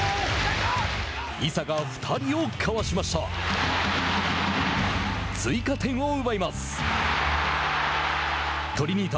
伊佐が２人をかわしました。